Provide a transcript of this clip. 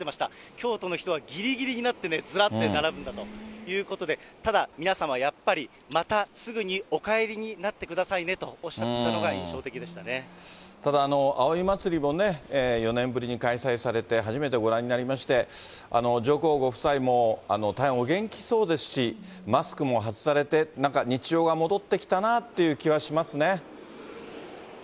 京都の人はぎりぎりになってね、ずらっと並ぶんだということで、ただ、皆様、やっぱりまたすぐにお帰りになってくださいねとおっしゃっていたただ、葵祭もね、４年ぶりに開催されて、初めてご覧になりまして、上皇ご夫妻も大変お元気そうですし、マスクも外されて、なんか日常が戻ってきたなという気はしますね。